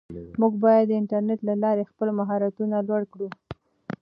موږ باید د انټرنیټ له لارې خپل مهارتونه لوړ کړو.